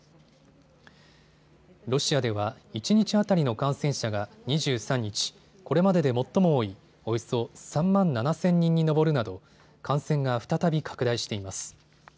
ロシアでは一日当たりの感染者が２３日、これまでで最も多いおよそ３万７０００人に上るなど感染が再び拡大しています。